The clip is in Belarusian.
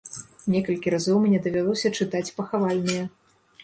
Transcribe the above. Некалькі разоў мне давялося чытаць пахавальныя.